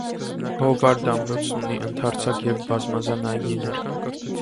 Հովարդ ամրոցն ունի ընդարձակ և բազմազան այգիներ։